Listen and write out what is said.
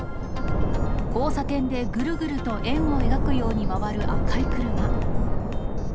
交差点でぐるぐると円を描くように回る赤い車。